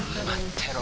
てろ